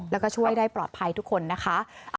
แล้วก็ช่วยได้ปลอดภัยทุกคนนะคะ